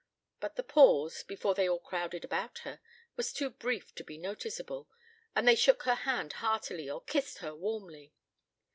But the pause, before they all crowded about her, was too brief to be noticeable, and they shook her hand heartily or kissed her warmly.